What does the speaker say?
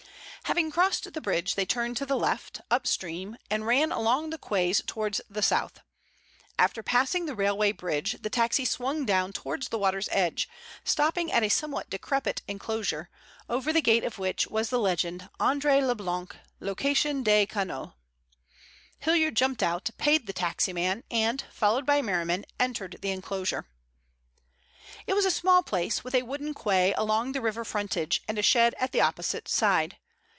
Having crossed the bridge they turned to the left, upstream, and ran along the quays towards the south. After passing the railway bridge the taxi swung down towards the water's edge, stopping at a somewhat decrepit enclosure, over the gate of which was the legend "Andre Leblanc, Location de Canots." Hilliard jumped out, paid the taxi man, and, followed by Merriman, entered the enclosure. It was a small place, with a wooden quay along the river frontage and a shed at the opposite side.